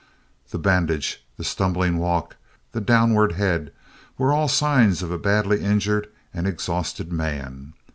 The bandage, the stumbling walk, the downward head, were all signs of a badly injured and exhausted man.